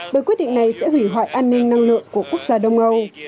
bởi quyết định này sẽ hủy hoại an ninh năng lượng của quốc gia đông âu